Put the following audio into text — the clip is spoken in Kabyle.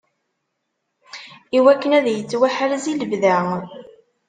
Iwakken ad yettwaḥrez i lebda.